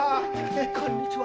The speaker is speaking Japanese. こんにちは。